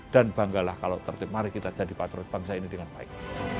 banggalah kalau tertib mari kita jadi patriot bangsa ini dengan baik